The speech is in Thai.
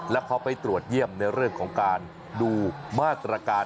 แล้วเขาไปตรวจเยี่ยมในเรื่องของการดูมาตรการ